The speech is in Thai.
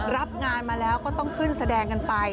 รับงานมาแล้วก็ต้องขึ้นแสดงกันไป